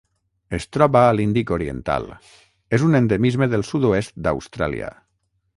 Es troba a l'Índic oriental: és un endemisme del sud-oest d'Austràlia.